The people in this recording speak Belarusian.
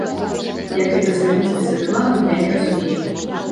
Як гэта зрабіць без рэкламы, я не разумею.